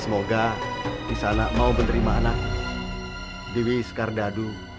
semoga kisanak mau menerima anak dewi skardado